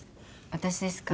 私ですか？